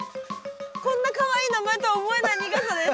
こんなかわいい名前とは思えない苦さです。